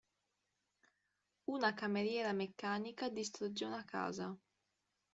Una cameriera meccanica distrugge una casa.